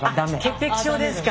潔癖性ですか。